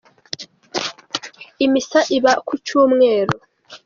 imisa iba kucyumweru